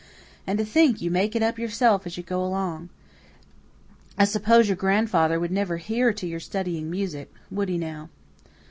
And to think you make it up yourself as you go along! I suppose your grandfather would never hear to your studying music would he now?"